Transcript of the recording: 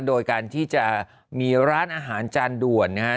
โดยการที่จะมีร้านอาหารจานด่วนนะฮะ